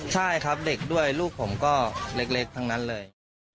ใช่ครับเด็กด้วยลูกผมก็เล็กทั้งนั้นเลย